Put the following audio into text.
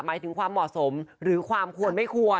หมายถึงความเหมาะสมหรือความควรไม่ควร